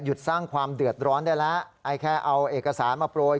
หยุดสร้างความเดือดร้อนได้ละแค่เอาเอกสารมาโปรย